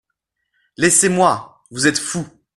Laissez-moi ! vous êtes fou.